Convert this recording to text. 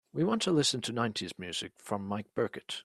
We want to listen to nineties music from mike burkett.